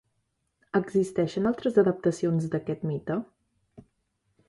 Existeixen altres adaptacions d'aquest mite?